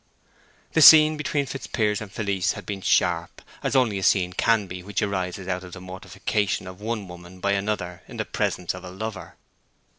The scene between Fitzpiers and Felice had been sharp, as only a scene can be which arises out of the mortification of one woman by another in the presence of a lover.